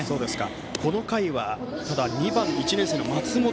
この回は２番、１年生の松本